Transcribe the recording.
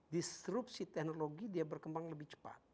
disrupsi teknologi dia berkembang lebih cepat